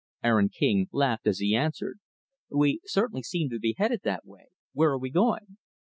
Aaron King laughed as he answered, "We certainly seem to be headed that way. Where are we going?"